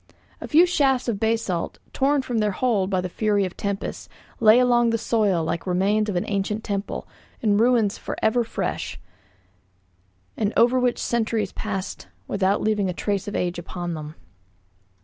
A few shafts of basalt, torn from their hold by the fury of tempests, lay along the soil like remains of an ancient temple, in ruins for ever fresh, and over which centuries passed without leaving a trace of age upon them.